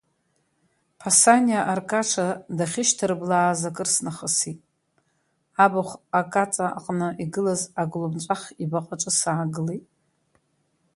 Ԥасаниа Аркаша дахьышьҭырблааз акыр снахысит, абахә акаҵа аҟны игылаз агәлымҵәах ибаҟаҿы саагылеит.